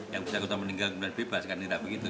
yang bisa kutuh meninggal kemudian bebas kan tidak begitu